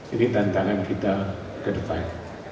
ini tantangan kita ke depan